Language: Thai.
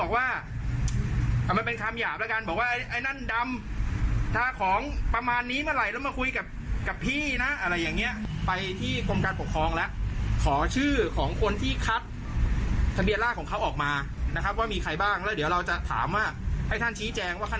ว่ามีใครบ้างแล้วเราจะถามให้ท่านชี้แจงว่า